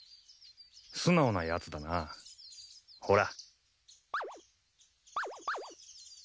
素直なやつだな。ほら。